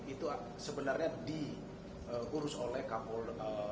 itu sebenarnya diurus oleh kak polda